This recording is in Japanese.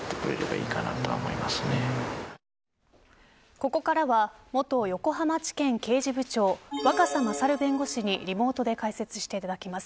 ここからは元横浜地検刑事部長若狭勝弁護士にリモートで解説していただきます。